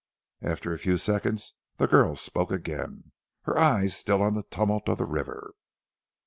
After a few seconds the girl spoke again, her eyes still on the tumult of the river.